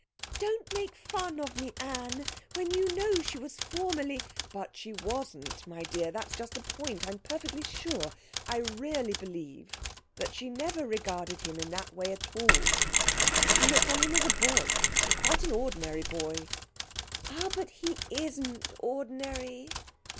"Don't make fun of me, Anne, when you know she was formerly " "But she wasn't, my dear. That's just the point. I'm perfectly sure, I really believe, that she never regarded him in that way at all. She looks on him as a boy, and quite an ordinary boy." "Ah, but he isn't ordinary!"